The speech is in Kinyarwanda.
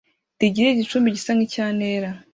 rigira igicumbi gisa n icya ntera